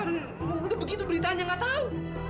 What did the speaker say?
dan udah begitu beritanya nggak tahu